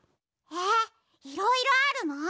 えっいろいろあるの？